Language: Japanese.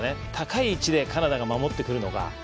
高い位置でカナダが守ってくるのか。